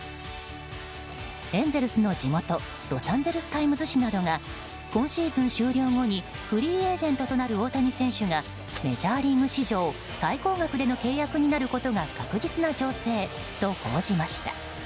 エンゼルスの地元ロサンゼルス・タイムズ紙などが今シーズン終了後にフリーエージェントとなる大谷選手がメジャーリーグ史上最高額での契約になることが確実な情勢と報じました。